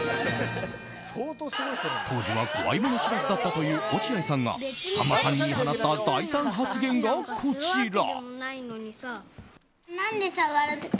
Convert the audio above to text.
当時は怖いもの知らずだったという落合さんがさんまさんに言い放った大胆発言がこちら。